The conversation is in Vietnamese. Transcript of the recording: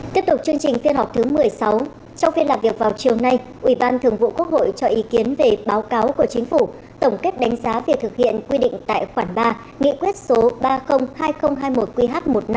tiếp tục chương trình phiên học thứ một mươi sáu trong phiên làm việc vào chiều nay ubth cho ý kiến về báo cáo của chính phủ tổng kết đánh giá việc thực hiện quy định tại khoản ba nghị quyết số ba trăm linh hai nghìn hai mươi một qh một mươi năm